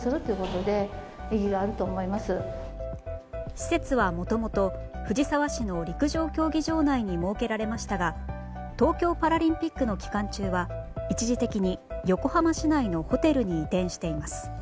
施設はもともと、藤沢市の陸上競技場内に設けられましたが東京パラリンピックの期間中は一時的に横浜市内のホテルに移転しています。